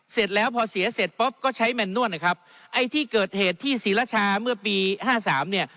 เสร็จแล้วพอเสียเสร็จปุ๊บก็ใช้แมนนวลนะครับไอ้ที่เกิดเหตุที่ศรีรชาเมื่อปีห้าสามเนี่ย